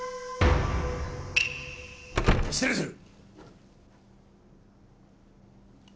失礼する！